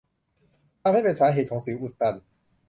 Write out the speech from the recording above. ทำให้เป็นสาเหตุของสิวอุดตัน